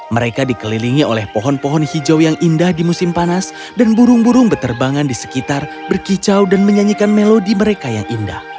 mereka dikelilingi oleh pohon pohon hijau yang indah di musim panas dan burung burung beterbangan di sekitar berkicau dan menyanyikan melodi mereka yang indah